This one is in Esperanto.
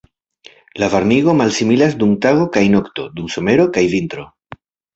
La varmigo malsimilas dum tago kaj nokto, dum somero kaj vintro.